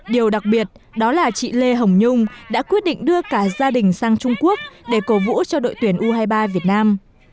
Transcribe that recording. điều đặc biệt đó là chị lê hồng nhung đã quyết định đưa cả gia đình sang trung quốc để cổ vũ cho đội tuyển u hai mươi ba việt nam